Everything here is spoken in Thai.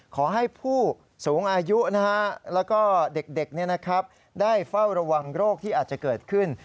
ขอให้ผู้สูงอายุแล้วก็เด็กได้เฝ้าระวังโรคที่อาจจะเกิดขึ้น